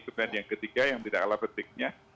kemudian yang ketiga yang tidak kalah petiknya